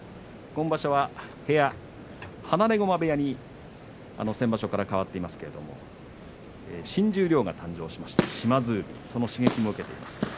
今場所は放駒部屋に先場所から変わっていますけれど新十両が誕生しました島津海その刺激も受けています。